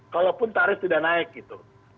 kalaupun tarif tidak naik gitu